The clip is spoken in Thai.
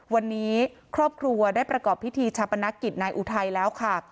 วันนี้ครอบครัวได้ประกอบพิธีชาปนกิจนายอุทัยแล้วค่ะ